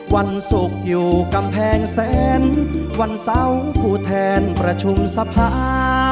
วันสุขอยู่กำแพงแสนวันเศร้าผู้แทนประชุมทรรภา